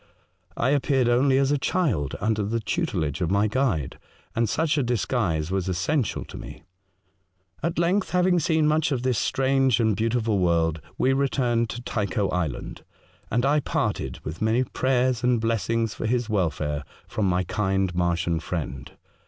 I appeared only as a child under the tutelage of my guide, and such a disguise was essential to me. At length, having seen much of this strange and beautiful world, we returned to Tycho Island, and I parted, with many prayers and blessings for his welfare, from my kind Martian friend.